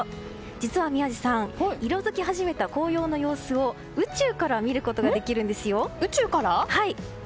実は宮司さん色づき始めた紅葉の様子を宇宙から見ることができるんですよ。